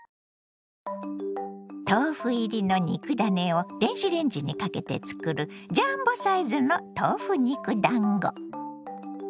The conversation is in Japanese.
豆腐入りの肉ダネを電子レンジにかけて作るジャンボサイズの豆腐肉だんご。